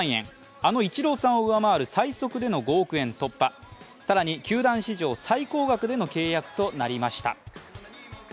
あのイチローさんを上回る最速での５億円突破、更に球団史上最高額での契約となりました。